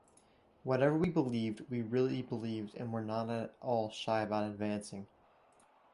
Whatever we believed, we really believed and were not at all shy about advancing.